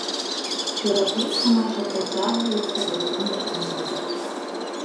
Перапіска наша працягваецца да сённяшніх дзён.